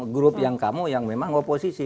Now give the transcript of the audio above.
grup yang kamu yang memang oposisi